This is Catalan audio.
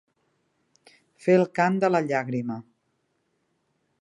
Fer el cant de la llàgrima.